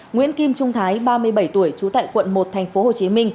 nguyễn kim trung thái ba mươi bảy tuổi trú tại quận một tp hcm